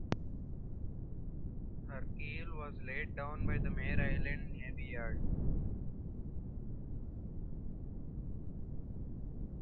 Her keel was laid down by the Mare Island Navy Yard.